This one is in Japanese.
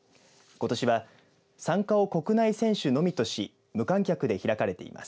ことしは参加を国内選手のみとし無観客で開かれています。